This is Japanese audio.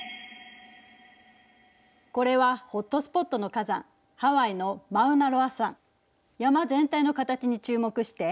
これはホットスポットの火山山全体の形に注目して。